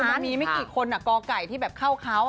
เพราะมีไม่กี่คนกรก่ายที่เข้าเขา